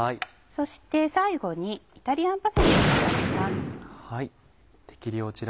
そして最後にイタリアンパセリを散らします。